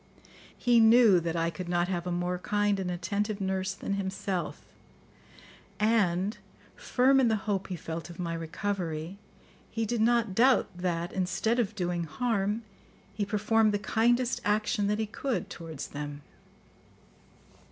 He knew that I could not have a more kind and attentive nurse than himself; and, firm in the hope he felt of my recovery, he did not doubt that, instead of doing harm, he performed the kindest action that he could towards them.